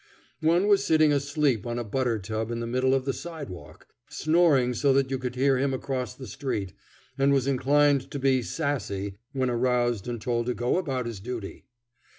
One was sitting asleep on a butter tub in the middle of the sidewalk, snoring so that you could hear him across the street, and was inclined to be "sassy" when aroused and told to go about his duty.